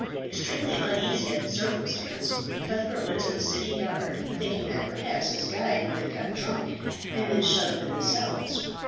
Extremely uneasy at the circumstance, Cuthbert went to the city guard, thinking that perhaps his guide might have got drunk, and been shut up in the cells.